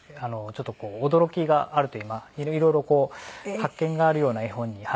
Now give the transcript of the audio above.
ちょっと驚きがあるという色々こう発見があるような絵本に。